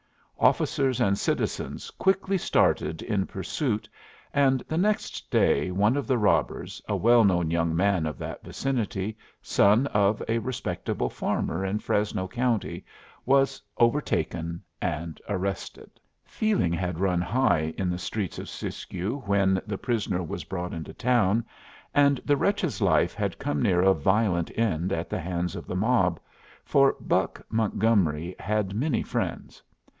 Officers and citizens quickly started in pursuit, and the next day one of the robbers, a well known young man of that vicinity, son of a respectable farmer in Fresno County, was overtaken and arrested." Feeling had run high in the streets of Siskiyou when the prisoner was brought into town, and the wretch's life had come near a violent end at the hands of the mob, for Buck Montgomery had many friends.